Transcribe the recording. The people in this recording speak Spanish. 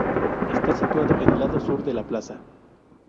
Está situado en el lado sur de la plaza.